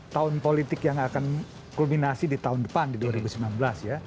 tahun politik yang akan kulminasi di tahun depan di dua ribu sembilan belas ya